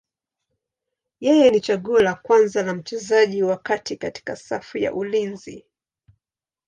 Yeye ni chaguo la kwanza la mchezaji wa kati katika safu ya ulinzi.